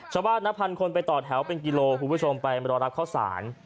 ชาวบ้านนับพันคนไปต่อแถวเป็นกิโลคุณผู้ชมไปรอรับข้าวสาร